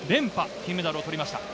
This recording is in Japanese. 金メダルを取りました。